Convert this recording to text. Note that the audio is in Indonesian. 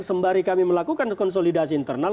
sembari kami melakukan konsolidasi internal